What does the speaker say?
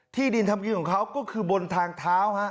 ที่ดินทำกินของเขาก็คือบนทางเท้า